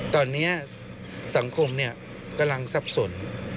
ตอนนี้สังคมกำลังซับสน